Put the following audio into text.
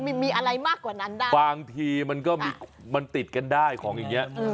มันมีอะไรมากกว่านั้นได้บางทีมันก็มีมันติดกันได้ของอย่างนี้